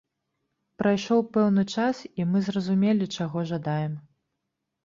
Прайшоў пэўны час і мы зразумелі чаго жадаем.